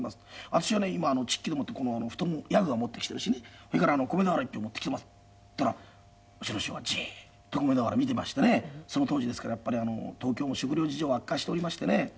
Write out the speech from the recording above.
「私はね今チッキでもって布団夜具は持ってきてるしねそれから米俵一俵持ってきてます」って言ったらうちの師匠がジーッと米俵見てましてねその当時ですからやっぱり東京の食糧事情は悪化しておりましてね。